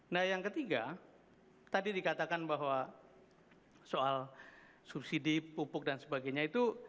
nah yang ketiga tadi dikatakan bahwa soal subsidi pupuk dan sebagainya itu